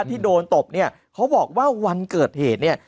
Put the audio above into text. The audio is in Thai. ที่โดนตบเนี่ยเขาบอกว่าวันเกิดเหตุเนี่ย